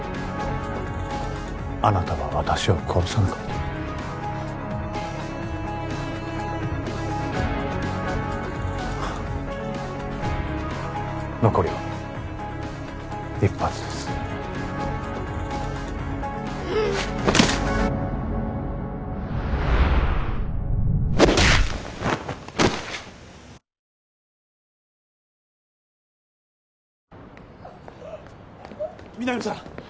あなたは私を殺さなかったフッ残りは１発です皆実さん！